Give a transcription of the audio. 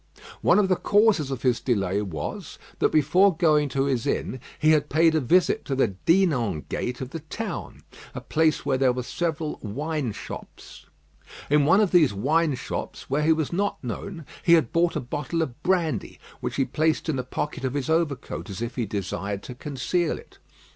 One of the causes of his delay was, that before going to his inn, he had paid a visit to the Dinan gate of the town, a place where there were several wine shops. In one of these wine shops, where he was not known, he had bought a bottle of brandy, which he placed in the pocket of his overcoat, as if he desired to conceal it.